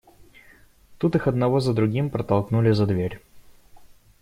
Тут их одного за другим протолкнули за дверь.